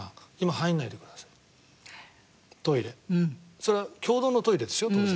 それは共同のトイレですよ当然。